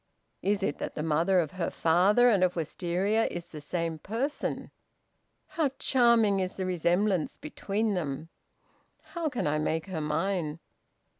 Is it that the mother of her father and of Wistaria is the same person? How charming is the resemblance between them! How can I make her mine?"